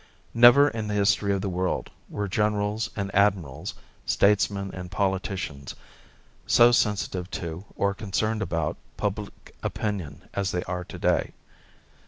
Never in the history of the world were generals and admirals, statesmen and politicians so sensitive to or concerned about public opinion as they are today.